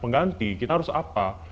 pengganti kita harus apa